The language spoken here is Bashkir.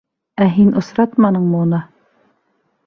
— Ә һин осратманыңмы уны?